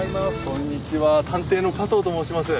こんにちは探偵の加藤と申します。